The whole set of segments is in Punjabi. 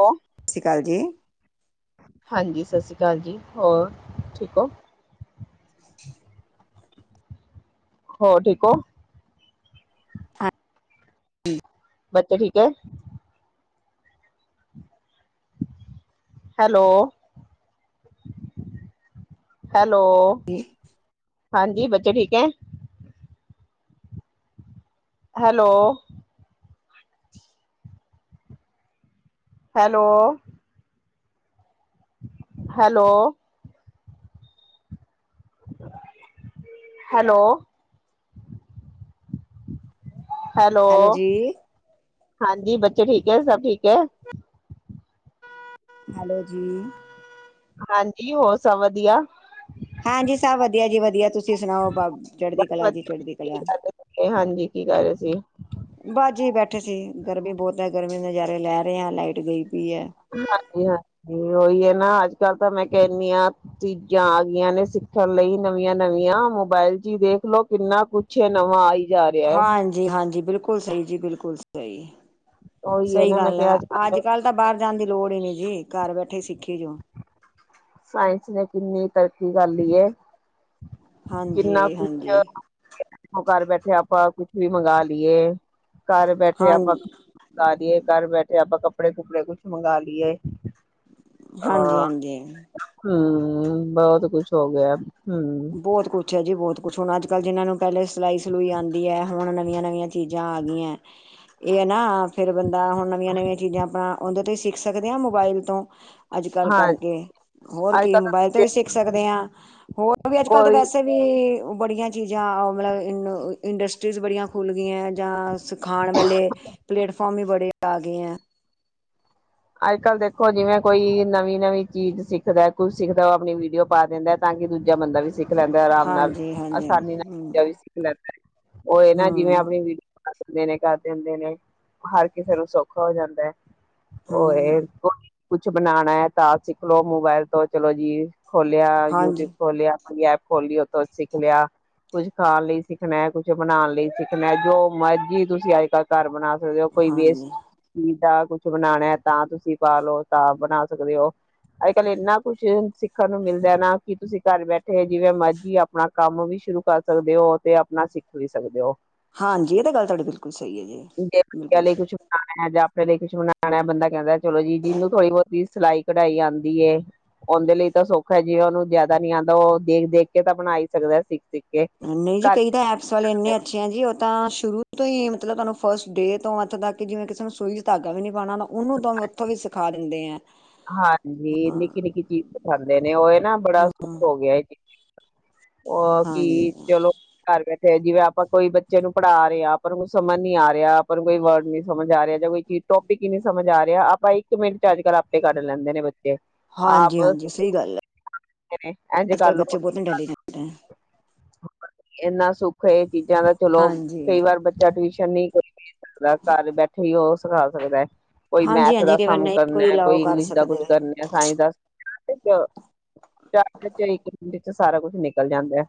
ਓ ਸੀ ਕਾਲ ਜੀ। ਹਾਂਜੀ, ਸਸੀ ਕਾਲ ਜੀ, ਹੋਰ ਠੀਕ ਓ? ਹੋਰ ਠੀਕੋ? [inaudible] ਬੱਚੇ ਠੀਕ ਹੈ ਹੈਲੋ ਹੈਲੋ ਤੇ ਹਾਂਜੀ ਬੱਚੇ ਠੀਕ ਹੈ hello hello hello hello hello ਹਾਂਜੀ ਬੱਚੇ ਠੀਕ ਹੈ ਸਭ ਠੀਕ ਹੈ ਹੈਲੋ ਜੀ ਹਾਂਜੀ ਹੋਰ ਸਭ ਵਧੀਆ ਹਾਂਜੀ ਸਭ ਵਧੀਆ ਜੀ ਵਧੀਆ ਤੁਸੀਂ ਤੁਸੀਂ ਸੁਣਾਓ ਬ ਚੜਦੀ ਬਸ ਕਲਾ ਜੀ ਵਧੀਆ ਚੜ੍ਹਦੀ ਕੀ ਕਲਾ ਕਰ ਰਹੇ ਸੀ ਹਾਂਜੀ ਕੀ ਕਰ ਰਹੇ ਸੀ ਬਾਜੀ ਬੈਠੇ ਸੀ ਗਰਮੀ ਬਹੁਤ ਹੈ ਗਰਮੀ ਨਜ਼ਾਰੇ ਲੈ ਰਹੇ ਆ ਲਾਈਟ ਗਈ ਪਈ ਹੈ ਹਾਂਜੀ ਹਾਂਜੀ ਉਹੀ ਹੈ ਨਾ ਅੱਜ ਕੱਲ੍ਹ ਤਾਂ ਮੈਂ ਕੈਦੀ ਹਾਂ ਚੀਜ਼ਾਂ ਆ ਗਈਆਂ ਨੇ ਸਿੱਖਣ ਲਈ ਨਵੀਆਂ ਨਵੀਆਂ ਮੋਬਾਇਲ ਚ ਹੀ ਦੇਖਲੋ ਕਿੰਨਾ ਕੁਛ ਹੈ ਨਵਾਂ ਆਈ ਜਾ ਰਿਹਾ ਹੈ ਹਾਂਜੀ ਹਾਂਜੀ ਬਿਲਕੁਲ ਸਹੀ ਜੀ ਬਿਲਕੁਲ ਸਹੀ ਉਹੀ ਸਹੀ ਨਾ ਮੈਂ ਗੱਲ ਕਿਹਾ ਹੈ ਅੱਜ ਕੱਲ ਤਾਂ ਬਾਰ ਜਾਣ ਦੀ ਲੋੜ ਹੀ ਨੀ ਜੀ ਘਰ ਬੈਠੇ ਸਿੱਖੀ ਜੋ ਸਾਈਂਸ ਨੇ ਕੀਨੀ ਤਰੱਕੀ ਕਰ ਲੀ ਏ ਕਿੰਨਾ ਕੁਛ ਹਾਂਜੀ-ਹਾਂਜੀ। ਘਰ ਬੈਠੇ ਆਪਾਂ ਕੁਛ ਵੀ ਮੰਗ ਲੀਏ ਘਰ ਬੈਠੇ ਹਾਂ ਆਪਾਂ ਮੰਗਾ ਲਏ ਘਰ ਬੈਠੇ ਆਪਾਂ ਕੱਪੜੇ-ਕੁੱਪੜੇ ਕੁਛ ਮੰਗ ਲੀ ਏ। ਹਾਂਜੀ ਹਾਂਜੀ। ਹੂੰ ਬਹੁਤ ਕੁਛ ਹੋ ਗੇਆ। ਬੋਤ ਕੁਛ ਐ ਜੀ ਬਹੁਤ ਕੁਛ ਹੁਣ ਅੱਜ-ਕੱਲ ਜ ਜੀਨਾਂ ਨੂੰ ਪੈਲੇ ਸਲਾਈ-ਸਲੂਈ ਆਦੀ ਐ ਹੁਣ ਨਵੀਆਂ-ਨਵੀਆਂ ਚੀਜ਼ਾਂ ਆ ਗੀਐ ਏ ਨਾ ਫੇਰ ਬੰਦਾ ਹੁਣ ਨਵੀਆਂ-ਨਵੀਆਂ ਚੀਜ਼ਾਂ ਆਪਣਾ ਓਦੇ ਤੋਂ ਈ ਸਿੱਖ ਸਕਦੇ ਆਂ ਮੋਬਾਇਲ ਤੋਂ ਅੱਜ-ਕੱਲ ਹਾਂ ਕਰਕੇ, ਹੋਰ ਅੱਜ ਕੀ ਕੱਲ ਤਾਂ ਮੋਬਾਇਲ ਤੋਂ ਤੁਸੀਂ ਵੀ ਸਿੱਖ ਸਕਦੇ ਆਂ ਹੋਰ ਵੀ ਅੱਜ-ਕੱਲ ਤਾਂ ਕੋਈ ਵੈਸੇ ਵੀ ਵੜੀਆਂ ਚੀਜ਼ਾਂ ਮਲਵ ਇੰਡਸਟਰੀਜ਼ ਬੜੀਆਂ ਖੁੱਲ ਗਈਆਂ ਜਾਂ ਸ ਖਾਣ ਵੇਲੇਲ ਪਲੇਟਫੋਮ ਵੀ ਬੜੇ ਆ ਗੇ ਆ ਅੱਜ-ਕੱਲ ਦੇਖੋ ਜਿਵੇਂ ਕੋਈ ਨਵੀਂ-ਨਵੀਂ ਚੀਜ਼ ਸਿੱਖਦਾ ਕੁਝ ਸੇਖਦਾ ਓ ਆਪਣੀ ਵੀਡੀਓ ਪਾ ਦੇਂਦਾ ਤਾਂ ਕੀ ਦੂਜਾ ਬੰਦਾ ਵੀ ਸਿੱਖ ਲੈਂਦਾ ਆਰਾਮ ਨਾਲ ਹਾਂਜੀ ਹਾਂਜੀ ਆਸਾਨੀ ਨਾਲ ਦੂਜਾ ਵੀ ਸ ਹਮ ਲੈਦਾ ਏ ਓ ਏ ਨਾ ਜਿਵੇਂ ਹਮ ਆਪਣੀ ਵੀਡੀਓ ਬਨਾ ਦੇ ਨੇ ਕਰ ਦੇਂਦੇ ਨੇ ਹਰ ਕੇਸੇ ਨੂੰ ਸੌਖਾ ਹੋ ਜਾਂਦਾ ਐ। ਓਏ ਹਮ ਕੁਛ ਬਣਾਣਾ ਐ ਤਾਂ ਸੇਖਲੋ ਮੁਬੈਲ ਤੋਂ ਚਲੋ ਜੀ ਖੋਲੇਆ ਯੂਟੀਊਬ ਹਾਂਜੀ ਖੋਲੇਆ ਅਪਣੀ ਐਪ ਖੋਲਲੀ ਓਥੋਂ ਸਿੱਖ ਲੇਆ ਕੁਛ ਖਾਣ ਲਈ ਸੀਖਣੈ ਕੁੱਛ ਬਣਾਣ ਲਈ ਸਿੱਖਣੈ ਜੋ ਮਰਜੀ ਤੁਸੀਂ ਅੱਜ-ਕੱਲ ਘਰ ਬਣਾ ਦੇਓ ਕੋਈ ਵੇਸਟ ਹਾਂਜੀ ਚੀਜ਼ ਦਾ ਕੁਛ ਬਣਾਣਾ ਤਾਂ ਤੁਸੀਂ ਪਾਲੋ ਤਾਂ ਬਣਾ ਸਕਦੇ ਓ ਆ ਕੱਲ ਏਨਾ ਕੁੱਛ ਸੀਖਣ ਨੂੰ ਮਿਲਦੈ ਨਾ ਕੀ ਤੁਸੀਂ ਘਰ ਬੈਠੇ ਜੀਵੇਂ ਮਰਜੀ ਅਪਣਾ ਕੰਮ ਵੀ ਸ਼ੁਰੂ ਕਰ ਸਕਦੇ ਓ ਤੇ ਅਪਣਾ ਸਿੱਖ ਵੀ ਸਕਦੇ ਓ। ਹਾਂਜੀ ਏ ਤਾਂ ਗੱਲ ਤੁਆਡੀ ਬੇਲਕੁਲ ਸਈ ਐ ਜੀ ਜੇ ਬੱਚਿਆਂ ਬੇਲਕੁਲ ਲਈ ਕੁਛ ਜਾਂ ਆਪਣੇ ਲਈ ਕੁਛ ਬਨਾਣਾ ਬੰਦਾ ਕੈਂਦਾ ਚਲੋ ਜੀ ਜੀਨੂੰ ਥੋੜੀ-ਬਹੁਤੀ ਸਲਾਈ ਕਢਾਈ ਆਦੀ ਏ ਓਦੇ ਲਈ ਤਾਂ ਸੋਖਾ ਏ ਜੀਵੇ ਓਨੂੰ ਜਾਦਾ ਨੀ ਆਦਾ ਓ ਦੇਖ- ਦੇਖ ਕੇ ਤਾਂ ਬਣਾ ਈ ਸਕਦਾ ਸਿੱਖ-ਸਿੱਖ ਕੇ। ਨਈ ਜੀ ਘਰ ਕਈ ਤਾਂ ਐਪਸ ਵਾਲੇ ਐਨੇ ਅੱਛੇ ਆ ਜੀ ਓ ਤਾਂ ਸ਼ੁਰੂ ਤੋਂ ਹੀ ਮਤਲਵ ਤੁਆਨੂੰ ਫਸਟ ਡੇ ਤੋਂ ਅੱਥ ਤੱਕ ਕੇ ਜੀਵੇਂ ਕਿਸੇ ਨੂੰ ਸੂਈ ਧਾਗਾ ਵੀ ਨੀ ਪਾਣਾ ਆਦਾ ਓਨੂੰਂ ਓਥੋਂ ਵੀ ਸਿਖਾ ਦਿੰਦੇ ਆ ਹਾਂਜੀ ਹਾਂ ਨਿੱਕੀ-ਨਿੱਕੀ ਚੀਜ਼ ਸੀਖਾਂ ਦੇ ਨੇ ਓਏ ਨਾ ਬੜਾ ਸੁੱਖ ਹੋ ਗੇਆ ਏ ਓ ਕੀ ਹਾਂਜੀ ਚਲੋ ਘਰ ਬੈਠੇ ਜਿਵੇਂ ਆਪਾਂ ਕੋਈ ਬੱਚੇ ਨੂੰ ਪੜ੍ਹਾ ਰਏ ਆ ਆਪਾਂ ਨੂੰ ਸਮਝ ਨੀ ਆ ਰੇਆ ਆਪਾਂ ਨੂੰ ਕੋਈ ਵਰਡ ਨੀ ਸਮਝ ਆ ਰੇਆ ਜਾਂ ਕੋਈ ਟੋਪੀਕ ਈ ਨੀ ਸਮਝ ਆ ਰੇਆ ਆਪਾਂ ਈਕ ਮਿੰਟ ਚ ਅੱਜ-ਕੱਲ ਆਪ ਕੱਢ ਲੈਂਦੇ ਨੇ ਬੱਚੇ, ਆਪ ਹਾਂਜੀ ਹਾਂਜੀ ਸਹੀ ਗੱਲ ਹੈ ਐਜ ਅੱਜ ਕੱਲ੍ਹ ਕਰਲੋ ਬੱਚੇ ਬਹੁਤ ਊਜ ਇੰਟੈਲੀਜੈਂਟ ਹੈ ਕਰਲੋ ਏਨਾ ਸੁੱਖ ਏ ਚੀਜ਼ਾਂ ਦਾ ਚਲੋ, ਹਾਂਜੀ ਕਈ ਵਾਰ ਬੱਚਾ ਟਵੀਸ਼ਨ ਨੀ ਕ ਦਾ ਘਰ ਬੈਠੇ ਈ ਓ ਸਿਖਾ ਸਕਦੈ, ਕੋਈ ਹਾਂਜੀ ਮੈਥ ਦਾ ਹਾਂਜੀ ਕਈ ਵਾਰ ਸਮ ਨਹੀਂ ਕੋਈ ਕਰਨਾ ਲਾਓ ਕੋਈ ਕਰ ਇੰਗਲਿਸ਼ ਦਾ ਕੁਛ ਸਕਦੇ ਕਰਨੀ ਆ ਸਾਈਸ ਦਾ [unintelligible] ਵੀਚ ਸਾਰਾ ਕੁੱਛ ਨਿਕਲ ਜਾਂਦਾ ਐ।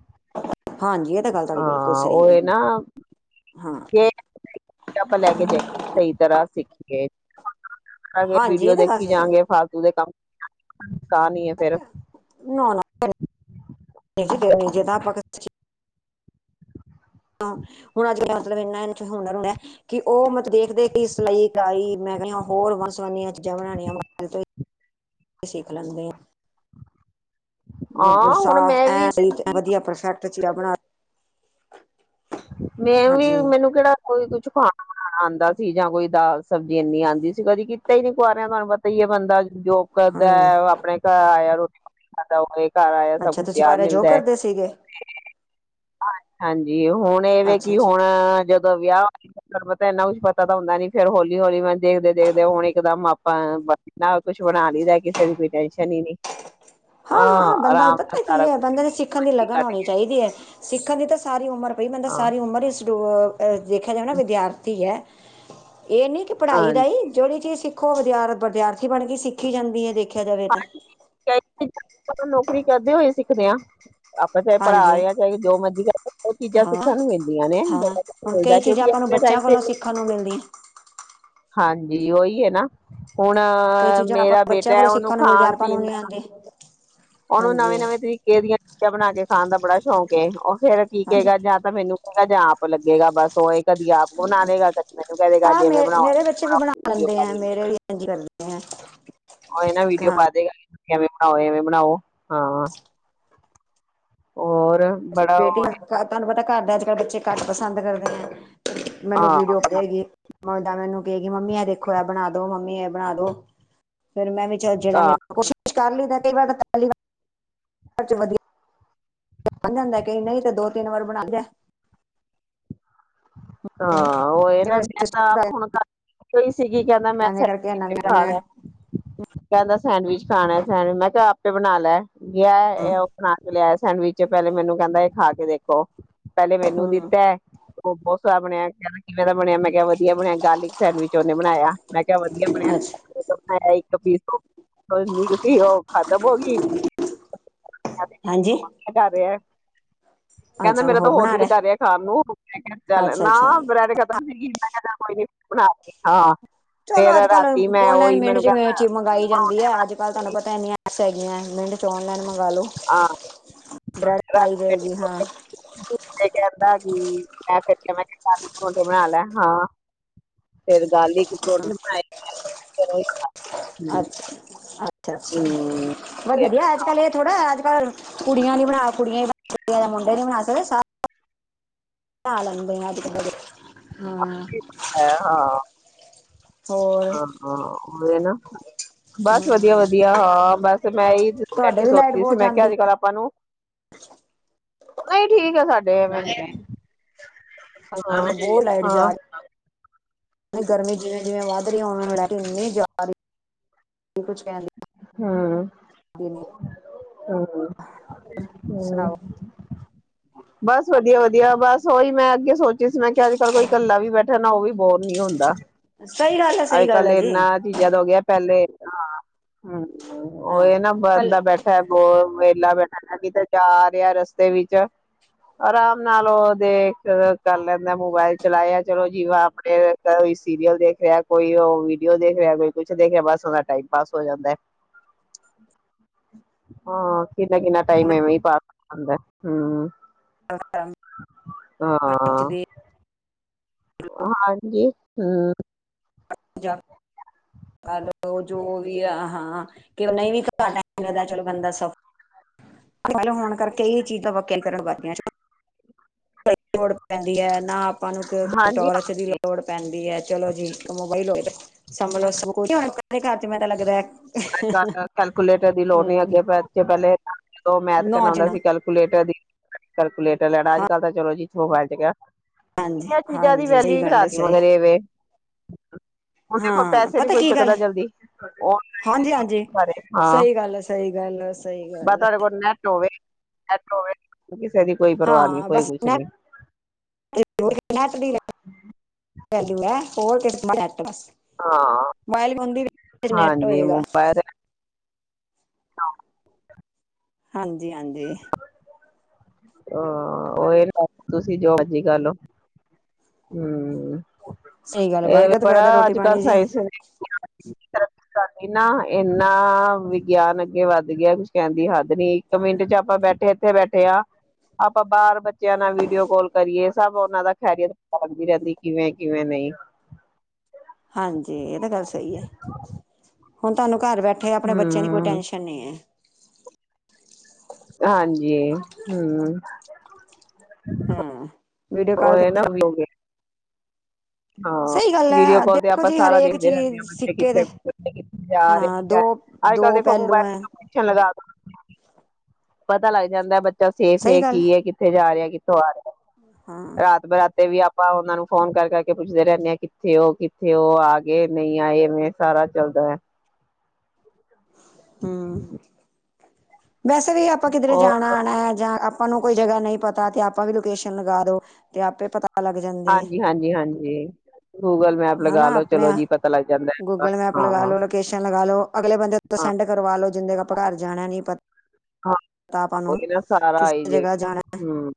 ਹਾਂਜੀ ਇਹ ਤਾਂ ਗੱਲ ਤੁਹਾਡੀ ਬਿਲਕੁਲ ਆਂ ਸਹੀ ਹੈ ਓਈ ਨਾ, ਹਾਂ ਕੇਕ ਆਪਾਂ ਲੈ ਕੇ ਜਾਈਏ ਸਈ ਤਰਾ ਸੀਖ ਗਏ ਹਾਂਜੀ ਵੀਡੀਓ ਇਹ ਤਾਂ ਦੇ ਗੱਲ ਸਹੀ ਹੈ ਫਾਲਤੂ ਦੇ ਕੰਮ ਕਰਨੀ ਆ ਫੇਰ [unintelligible] ਨਾ-ਨਾ। [unintelligible] ਹੁਣ ਅੱਜ-ਕੱਲ੍ਹ ਮਤਲਬ ਏਨਾ ਹੁਨਰ ਹੋਇਆ ਕਿ ਓ ਮਤ ਦੇਖਦੇ ਕੇ ਏਸ ਲਾਈਕ ਆਈ ਮੈਂ ਕੈਨੀ ਹੋਰ ਵੰਨ ਸਵੰਨੀਆਂ ਚੀਜ਼ਾਂ ਬਣਾਣੀਆਂ ਸਿੱਖ ਲੈਂਨੇ ਆ, ਮਤਲਬ ਹਾਂ ਹੁਣ ਸਾਫ਼ ਮੈਂ ਵੀ ਐ ਵਧੀਆ ਪਰਫੈਕਟ, ਚੀਰਾ ਬਣਾ ਤਾਂ ਮੈਂ ਵੀ, ਮੈਨੂੰ ਕਿਹੜਾ ਕੋਈ ਕੁਛ ਆਂ ਆਉਂਦਾ ਸੀ, ਜਾਂ ਕੋਈ ਦਾਲ ਸਬਜ਼ੀ ਇੰਨੀ ਆਉਂਦੀ ਸੀ, ਕਦੀ ਕਿ ਕੀਤਾ ਹੀ ਨੀ ਕੁਆਰਿਆ ਤੁਹਾਨੂੰ ਪਤਾ ਹੀ ਹੈ ਬੰਦਾ ਜੋ ਕਰਦਾ, ਹਾਂਜੀ ਆਪਣੇ ਘਰ ਆਇਆ ਰੋਟੀ ਪਾਣੀ ਖਾਦਾ ਘਰ ਆਇਆ, ਸਭ ਅੱਛਾ ਕੁਛ ਤੁਸੀਂ ਤਿਆਰ ਘਰ ਜੋਬ ਮਿਲਦਾ ਹੈ, ਕਰਦੇ ਸੀਗੇ ਹਾਂਜੀ ਉਹ ਹੁਣ ਇਹਵੇ ਅੱਛਾ ਕਿ, ਹੁਣ ਅੱਛਾ ਜਦੋਂ ਵਿਆਹ ਤਾਂ ਇੰਨਾ ਕੁਛ ਪਤਾ ਤਾਂ ਹੁੰਦਾ ਨੀ, ਫੇਰ ਹੌਲੀ ਹੌਲੀ ਮੈਂ ਦੇਖਦੇ- ਦੇਖਦੇ ਹੁਣ ਇੱਕਦਮ ਆਪਾਂ ਨਾ ਕੁਛ ਬਣਾ ਲਈਦਾ, ਕਿਸੇ ਦੀ ਕੋਈ ਟੈਨਸ਼ਨ ਹੀ ਨਹੀਂ। ਹਾਂ ਹਾਂ ਬੰਦਾ ਪਤਾ ਕੀ ਹੈ, ਬੰਦੇ ਨੇ ਸਿੱਖਣ ਦੀ ਕੁਛ ਲਗਨ ਕੱਟ ਹੋਣੀ ਕੇ ਚਾਹੀਦੀ ਹੈ। ਸਿੱਖਣ ਦੀ ਤਾਂ ਸਾਰੀ ਉਮਰ ਪਈ, ਬੰਦਾ ਹਾਂ ਸਾਰੀ ਉਮਰ ਹੀ ਸਟੂਡ ਦੇਖਿਆ ਜਾਵੇ ਨਾ ਵਿਦਿਆਰਥੀ ਹੈ। ਇਹ ਨਹੀਂ ਕਿ ਪੜ੍ਹਾਈ ਦਾ ਹਾਂਜੀ ਹੀ, ਜਿਹੜੀ ਚੀਜ਼ ਸਿੱਖੋ ਵਿਦਿਆ ਵਿਦਿਆਰਥੀ ਬਣ ਗਈ ਸਿੱਖੀ ਜਾਂਦੀ ਹੈ ਦੇਖ ਹਾਂ, ਆਪ ਨੌਕਰੀ ਕਰਦੇ ਹੋਏ ਸਿੱਖਦੇ ਹਾਂ। ਆਪਾਂ ਚਾਹੇ ਪੜ੍ਹਾ ਹਾਂਜੀ ਰਹੇ ਹਾਂ, ਚਾਹੇ ਜੋ ਮਰਜ਼ੀ ਕਰਦੇ, ਉਹ ਚੀਜ਼ਾਂ ਹਾਂ ਸਿੱਖਣ ਨੂੰ ਮਿਲਦੀਆਂ ਨੇ। ਮਿਲਦਾ, ਕਿਉਂਕਿ ਆਪਣੇ ਟਾਈਮ ਤੇ ਦੇਖਣ ਨੂੰ ਮਿਲਦੀ। ਹਾਂਜੀ ਉਹੀ ਹੈ ਨਾ, ਹੁਣ ਕਈ ਚੀਜ਼ਾਂ ਆਪਾਂ ਮੇਰਾ ਬੱਚਿਆਂ ਬੇਟਾ ਹੈ ਕੋਲੋਂ ਉਹਨੂੰ ਸਿੱਖਣ ਨੂੰ ਮਿਲਦੀਆਂ ਖਾਣ ਆਪਾਂ ਨੂੰ ਪੀਣ ਨੀ ਦਾ ਹਾਂਜੀ। ਉਹਨੂੰ ਨਵੇਂ -ਨਵੇਂ ਤਰੀਕੇ ਦੀਆਂ ਚੀਜ਼ਾਂ ਬਣਾ ਕੇ ਖਾਣ ਦਾ ਬੜਾ ਸ਼ੌਂਕ, ਉਹ ਫੇਰ ਕੀ ਹਾਂਜੀ ਕਹੇਗਾ ਤਾਂ ਮੈਨੂੰ ਕਹਿੰਦਾ ਜਾ ਆਪ ਲੱਗੇਗਾ, ਬਸ ਉਹ ਇਹ ਕਦੀ ਆਪ ਬਣਾ ਦੇਗਾ, ਮੈਨੂੰ ਕਹਿ ਦੇਗੇਗਾ, ਹਾਂ ਦੇ ਮੈਂ ਮੇ ਬਣਾਊਗੀ ਥੌੜਾਂ ਬਹੁਤ ਹਾਂਜੀ, ਗੱਲ। [inaudible] ਹਮ [inaudible] ਉਹ ਇਹ ਨਾ ਵੀਡੀਓ ਪਾ ਦੇਗਾ, ਕਿਵੇਂ ਬਣਾਉ, ਐਵੇਂ ਬਣਾਉ ਹਾਂ। ਹੋਰ। ਬੜਾ ਬੇਟੀ ਤੁਹਾਨੂੰ ਪਤਾ ਘਰ ਦੇ ਅੱਜ ਕੱਲ ਬੱਚੇ, ਘੱਟ ਪਸੰਦ ਕਰਦੇ ਆ ਮੈਨੂੰ ਹਾਂ ਵੀਡੀਓ ਉਦਾ ਮੈਨੂੰ ਕਹੇਗੀ, ਮੰਮੀ ਇਹ ਦੇਖੋ ਇਹ ਬਣਾ ਦੋ ਮੰਮੀ, ਇਹ ਬਣਾ ਦੋ ਫੇਰ ਮੈਂ ਵੀ ਜਿਹੜਾ ਹਾਂ ਮੈਂ ਕੋਸ਼ਿਸ਼ ਕਰ ਲੈਂਦਾ, ਕਈ ਵਾਰ ਪੈਲੀ ਵਾਰ 'ਚ ਵਧੀਆ ਬਣ ਜਾਂਦਾ, ਕ ਨਹੀਂ, ਤਾਂ ਦੋ ਤਿੰਨ ਵਾਰ ਬਣਾ ਦਿਆ ਹਾਂ, ਉਹ ਇਹ ਨਾ, ਮੈਂ ਤਾਂ ਆਪ ਹੁਣ ਘਰ ਕੋਹੀ ਸੀਗੀ, ਕਹਿੰਦਾ ਮੈਂ ਸ ਕਰਕੇ ਨਵੀਂ ਖਾਣਾ [unintelligible] ਕਹਿੰਦਾ ਸੈਂਡਵਿਚ ਖਾਣਾ ਸੈਂਡਵਿਚ, ਮੈਂ ਕਿਹਾ ਆਪੇ ਬਣਾ ਲੈ ਗਿਆ ਉਹ ਬਣਾ ਲਿਆ ਸੈਂਡਵਿਚ ਪਹਿਲੇ ਮੈਨੂੰ ਕਹਿੰਦਾ ਇਹ ਖਾ ਕੇ ਦੇਖੋ, ਪਹਿਲੇ ਮੈਨੂੰ ਹਮ ਦਿੱਤਾ ਹੈ ਉਹ ਬਹੁਤ ਸਵਾਦ ਬਣਿਆ। ਕਿਵੇਂ ਦਾ ਬਣਿਆ ਮੈਂ ਕਿਹਾ ਵਧੀਆ ਬਣਿਆ, ਗਾਰਲਿਕ ਸੈਂਡਵਿਚ ਉਹਨੇ ਬਣਾਇਆ, ਮੈਂ ਕਿਹਾ ਵਧੀਆ ਬਣਿਆ। ਅੱਛਾ ਮੈਂ ਇੱਕ ਪੀਸੀ, ਉਹ ਖਤਮ ਹੋ ਗਈ ਹਾਂਜੀ ਜਾ ਰਿਹਾ [inaudible] ਕਹਿੰਦਾ, ਅੱਛਾ ਹੁਣ ਮੇਰਾ ਤਾਂ ਹੋਰ ਬਣਾ ਦਿਲ ਕਰ ਰਿਹਾ ਖਾਣ ਨੂੰ ਚੱਲ ਅੱਛਾ ਨਾ, ਅੱਛਾ ਬ੍ਰੈਡ ਖਤਮ ਹੋਗੀ ਸੀ, ਮੈਂ ਕਿਹਾ ਨੀ ਬਣਾ ਲੀ। [unintelligible] ਹਾਂ, ਚਲੋ ਫੇਰ ਅੱਜ ਕੱਲ ਰਾਤੀ ਮੈਂ ਔਨਲਾਈਨ ਉਹੀ ਮਿੰਟ ਮੈਨੂੰ ਕਹਿੰਦਾ ਚ ਮੰਗਾਈ ਜਾਂਦੀ ਪਰੌਂਠੇ ਹੈ ਅੱਜਕੱਲ੍ਹ ਤੁਹਾਨੂੰ ਪਤਾ, ਇੰਨੀਆਂ ਐਪਸ ਹੈਗੀਐ ਮਿੰਟ 'ਚ ਔਨਲਾਈਨ ਮੰਗਵਾ ਲਉ। ਹਾਂ [unintelligible] ਹਾਂ ਏ ਕਹਿੰਦਾ, ਕਿ ਮੈਂਿਰ ਮੈਂ ਘੋਡੇ ਬਣਾ ਲੈ ਹਾਂ [unintelligible] ਫੇਰ ਗਾਰਲਿਕ ਪਰੌਠੇ ਬਣਾਏ, ਫਿਰ ਓਈ ਖਾਲੇ। ਅੱਛਾ, ਅੱਛਾ ਅੱਛਾ, ਹਮ, ਫਿਰ ਅੱਜ -ਕੱਲ੍ਹ ਇਹ ਥੋੜ੍ਹਾ ਹੈ ਅੱਜ ਕੱਲ੍ਹ ਕੁੜੀਆਂ ਹੀ ਬਣਾ ਕੁੜੀਆਂ ਸਕਦੀਆਂ, ਮੁੰਡੇ ਨੀ ਬਣਾ ਸਕਦੇ ਸਾ [unintelligible] ਪਾ ਲੈਂਦੇ ਐ ਅੱਜ-ਕਲ ਦੇ ਬੱਚੇ, ਹਾਂ। ਐ ਹਾਂ। ਹੋਰ। ਹਾਂ ਹਾਂ, ਮੈਂ ਨਾ, ਬਸ ਵਧੀਆ-ਵਧੀਆ ਹਾਂ ਬਸ ਮੈ ਇਹੀ ਤੁਹਾਡੇ ਬੈਠੀ ਵੀ ਲਾਈਟ ਸੋਚਦੀ ਸੀ, ਬਹੁਤ ਮੈ ਕਿਹਾ ਜਾਂਦੀ ਅੱਜ- ਕੱਲ ਆਪਾਂ ਨੂੰ ਨਹੀ, ਠੀਕ ਹੈ ਸਾਡੇ ਵਡੇ ਅੱਛਾ, ਉਹ ਲਾਈਟ ਜਾ ਰ ਤੇ ਗਰਮੀ ਜਿਵੇਂ-ਜਿਵੇਂ ਵੱਧ ਰਹੀ ਏ, ਓਵੇ-ਓਵੇ ਲਾਈਟ ਨਈ ਜਾ ਰਹੀ। ਤੇ ਕੁਛ ਕਹਿਣ ਲਈ ਹੂੰ, ਹੂੰ, ਹੂੰ। ਸੁਣਾਓ ਬਸ ਵਧੀਆ-ਵਧੀਆ, ਬਸ ਉਹੀ ਮੈ ਅੱਗੇ ਸੋਚੀ ਸੀ ਮੈ ਕਿਹਾ ਅੱਜ-ਕੱਲ੍ਹ ਕੋਈ ਕੱਲਾ ਵੀ ਬੈ ਹੈਨਾ, ਉਹ ਵੀ ਬੋਰ ਨੀ ਹੁੰਦਾ। ਸਹੀ ਗੱਲ ਐ। ਅੱਜ-ਕੱਲ ਇੰਨਾ ਚੀਜ਼ਾਂ ਦਾ ਹੋ ਗਿਆ ਪਹਿਲੇ ਹਾਂ, ਹੂੰ। ਉਹ ਹਾਂ ਇਹ ਨਾ, ਕੱਲ ਬੰਦਾ ਬੈਠਾ ਬੋਰ ਵੇਹਲਾ ਬੈ ਐ ਵੀ ਤੇ ਜਾ ਰਿਹਾ ਰਸਤੇ ਵਿੱਚ, ਆਰਾਮ ਨਾਲ, ਉਹ ਦੇਖ ਕਰ ਲੈ। ਮੈਂ ਮੋਬਾਈਲ ਚਲਾਇਆ, ਚਲੋ ਜੀ ਵਾ, ਆਪੇ ਈ ਸੀਰੀਅਲ ਦੇਖ ਰਿਹਾ। ਕੋਈ ਉਹ ਵੀਡੀਓ ਦੇਖ ਰਿਹਾ, ਕੋਈ ਕੁਛ ਦੇਖ ਰਿਹਾ, ਬਸ ਉਹਦਾ ਟਾਈਮ ਪਾਸ ਹੋ ਜਾਂਦੈ। ਹਾਂ, ਕਿੰਨਾ-ਕਿੰਨਾ ਟਾਈਮ ਐਵੇਂ ਹੀ ਪਾਸ ਹੋ ਜਾਂਦੈ, ਹੂੰ। ਅ ਅ, ਆ ਹਾਂਜੀ, ਹੂੰ। ਅ ਜੋ ਵੀ ਆ, ਹਾਂ, ਕਿਹੜਾ ਨਹੀ ਵੀ ਘੱਟ ਟਾਈਮ ਲੱਗਦਾ ਚਲੋ ਬੰਦਾ ਸਫ਼ਰ ਗੱਲ ਹੋਣ ਕਰਕੇ ਇਹ ਚੀਜ਼ਾਂ ਵਾਕਿਆਂ ਕਰਨ ਵਾਲੀਆਂ ਲੋੜ ਪੈਂਦੀ ਐ ਨਾ ਆਪਾਂ ਨੂੰ ਹਾਂਜੀ ਟੋਰਚ ਦੀ ਲੋ ਲੋੜ ਪੈਂਦੀ ਹੈ, ਚਲੋ ਜੀ, ਮੋਬਈਲ ਹੋਏ 'ਤੇ ਸੰਭਲੋ ਸਬ ਕੁਛ ਅਪਨੇ ਘਰ 'ਚ ਮੈ ਤਾਂ ਲੱਗਦੈ। ਅੱਜ-ਕੱਲ ਕੈਲਕੂਲੇਟਰ ਦੀ ਲੋੜ ਨਹੀਂ, ਅੱਗੇ 'ਚ ਪਹਿਲੇ ਜਦੋ ਮੈਥ ਨੌ ਕਰਨਾ ਆਂਦਾ ਜਣਾ ਸੀ, ਕੈਲਕੂਲੇਟਰ ਦੀ ਕੈਲਕੂਲੇਟਰ ਲੈਣਾ ਹਾਂ ਅੱਜ-ਕੱਲ ਤਾਂ ਚਲੋ ਜੀ ਮੋਬਾਇਲ ਚ ਹੈ ਗਿਆ। ਹਾਂਜੀ ਮੈ ਚੀਜ਼ਾਂ ਦੀ ਹਾਂਜੀ ਵੈਲਊ ਸਹੀ ਈ ਗੱਲ ਹੈ ਕਰਾਤੀ, ਸਹੀ ਮਗਰ ਏ ਵੇ। ਹੁਣ ਦੇਖੋ ਹਾਂ ਪੈਸੇ ਨੀ ਕੋਈ ਚੱਕਦਾ ਜਲਦੀ, ਉਹ ਹਾਂਜੀ-ਹਾਂਜੀ, ਸਾਰੇ ਹਾਂ ਸਹੀ ਗੱਲ ਐ, ਸਹੀ ਗੱਲ ਐ, ਸਹੀ ਗੱਲ ਐ। ਕਿਸੇ ਕੋਲ ਨੈਟ ਹੋਵੇ, ਨੈਟ ਹੋਵੇ, ਕਿਸੇ ਦੀ ਕੋਈ ਪਰਵਾਹ ਨੀ, ਹਾਂ ਕੋਈ ਬਸ ਕੁਛ ਨੀ। [unintelligible] ਪਹਿਲੇ ਨਾ, ਹੋਰ ਕਿਸੇ ਦਾ ਮੋਬਾਈਲ ਨੈਟ ਬਸ, ਹਾਂ ਮੋਬਾਇਲ ਹੁੰਦੀ ਵੀ ਜਿਹਦੇ ਚ ਨੈਟ ਹਾਂਜੀ ਹੋਏਗਾ। ਮੋਬਾਇਲ ਹਾਂ ਹਾਂਜੀ-ਹਾਂਜੀ। ਅਹ, ਓਏ ਅਪ ਤੁਸੀਂ ਜੋ ਮਰਜੀ ਕਰ ਲਓ। ਹੂੰ, ਸਹੀ ਗੱਲ ਐ ਬਣ ਗਿਆ ਤੇ ਫਾਇਦਾ ਬੜਾ ਰੋਟੀ ਅੱਜ-ਕੱਲ੍ਹ ਪਾਣੀ ਜੀ ਸਾਇਸ ਏ, ਅ ਇੰਨਾ ਇੰਨਾ ਵਿਗਿਆਨ ਅੱਗੇ ਵੱਧ ਗਿਆ, ਕੁਛ ਕਹਿਣ ਦੀ ਹੱਦ ਨਈ। ਇੱਕ ਮਿੰਟ ਚ ਆਪਾਂ ਬੈਠੇ ਇੱਥੇ ਬੈਠੇ ਆ। ਆਪਾਂ ਬਾਹਰ ਬੱਚਿਆਂ ਨਾਲ ਵੀਡੀਓ ਕੋਲ ਕਰੀਏ, ਸਭ ਉਹਨਾਂ ਦਾ ਖ਼ੈਰੀਅਤ ਪਤਾ ਲੱਗਦੀ ਰਹਿੰਦੀ ਕਿਵੇਂ- ਕਿਵੇਂ ਨਹੀ। ਹਾਂਜੀ, ਇਹ ਤਾਂ ਗੱਲ ਸਹੀ ਐ। ਹੁਨ ਤੁਹਾਨੂੰ ਘਰ ਬੈਠਿਆ ਆਪਣੇ ਬੱਚਿਆਂ ਦੀ ਕੋਈ ਹਮ ਟੈਨਸ਼ਨ ਨਈ ਹੈ। ਹਾਂਜੀ ਹੂੰ ਹੂੰ, ਵੀਡੀਓ ਕਾੱਲ ਤੇ, [unintelligible] ਹਾਂ, ਸਹੀ ਗੱਲ ਵੀਡੀਓ ਹੈ ਕਾਲ ਤੇ ਦੇਖੋ ਆਪਾਂ ਜੀ ਸਾਰਾ ਹਰੇਕ ਦੇਖਦੇ ਰਹਿੰਨੇ ਆ ਚੀਜ਼ ਬੱਚੇ ਸਿੱਕੇ ਕਿਥੇ ਦੇ ਜਾ ਰੇ ਹਾਂ ਦੋ ਦੋ ਅੱਜ-ਕੱਲ ਦੇਖੋ ਪਹਿਲੂ ਹੈ ਮੋਬਾਈਲ [unintelligible] ਲਗਾ ਪਤਾ ਲੱਗ ਜਾਂਦਾ ਬੱਚਾ ਸੇਫ ਸਹੀ ਏ ਗੱਲ ਕੀ ਏ ਕਿੱਥੇ ਜਾ ਰਿਆ ਕਿੱਥੋਂ ਆ ਰਿਆ। ਹਾਂ ਰਾਤ-ਬਰਾਤੇ ਵੀ ਆਪ ਆਪਾਂ ਉਹਨਾਂ ਨੂੰ ਫੋਨ ਕਰ ਕਰਕੇ ਪੁੱਛਦੇ ਰਹਿੰਦੇ ਆ, ਕਿੱਥੇ ਹੋ ਕਿੱਥੇ ਹੋ ਆ ਗਏ ਨਈ ਆਏ ਐਵੇਂ ਸਾਰਾ ਚੱਲਦਾ ਹੈ। ਹੂੰ ਵੈਸੇ ਵੀ ਆਪਾਂ ਕਿਧਰੇ ਹੋਰ ਜਾਣਾ-ਆਣਾ ਜਾਂ ਆ ਆਪਾਂ ਨੂੰ ਕੋਈ ਜਗ੍ਹਾ ਨਈ ਪਤਾ ਤੇ ਆਪਾਂ ਵੀ ਲੋਕੇਸ਼ਨ ਲਗਾ ਦੋ ਤੇ ਆਪੇ ਪਤਾ ਲੱਗ ਜਾਂਦੀ ਹੈ ਹਾਂਜੀ-ਹਾਂਜੀ-ਹਾਂਜੀ। ਗੂਗਲ ਮੈਪ ਲਗਾ ਹਨਾ ਲੋ ਆਪਣੇ ਚਲੋ ਜੀ ਪਤਾ ਲੱਗ ਜਾਂਦਾ, ਗੂਗਲ ਮੈਪ ਲਗਾ ਹਾਂ-ਹਾਂ। ਲੋ, ਲੋਕੇਸ਼ਨ ਲਗਾ ਲੋ ਅਗਲੇ ਬੰਦੇ ਸੈਂਡ ਕਰਵਾ ਲੋ ਜਿੰਦੇ ਆਪਾਂ ਘਰ ਜਾਣਾ ਨੀ ਪਤਾ ਹਾਂ, ਆਪਾਂ ਨੂੰ ਓਹਦੇ ਨਾਲ ਸਾਰਾ ਆਈ ਕਿਸੇ ਜਾਏ, ਜਗ੍ਹਾ ਜਾਣਾ ਹੂੰ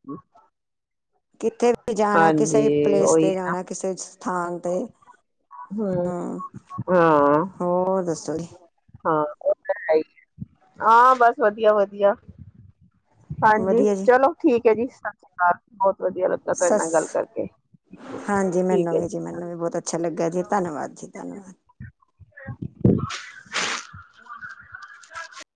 ਕਿੱਥੇ ਵੀ ਜਾਣਾ, ਕਿਸੇ ਹਾਂਜੀ ਵੀ ਪਲੇਸ ਉਹੀ ਤੇ ਹੈ ਨਾ ਜਾਣਾ, ਕਿਸੇ ਸਥਾਨ ਤੇ। ਹਮ ਹਾ, ਹੋਰ ਦੱਸੋ ਜੀ। ਹਾਂ-ਹਾਂ, ਬਸ ਵਧੀਆ- ਵਧੀਆ। ਹਾਂਜੀ, ਵਧੀਆ ਜੀ ਚਲੋ ਠੀਕ ਹੈ ਜੀ ਸਤਿ ਸ੍ਰੀ ਅਕਾਲ ਬੋਹਤ ਵਧੀਆ ਲੱਗ ਤੁਹਾਡੇ ਨਾਲ ਸਸ ਗੱਲ ਕਰਕੇ ਠੀਕ ਏ ਜੀ। ਮੈਨੂ ਵੀ ਬੋਹਤ ਅੱਛਾ ਲੱਗਿਆ ਜੀ, ਧੰਨਵਾਦ ਜੀ ਧੰਨਵਾਦ। [unintelligible]